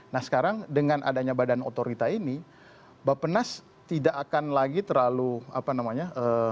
nah sekarang dengan adanya badan otorita ini bapak nas tidak akan lagi terlalu apa namanya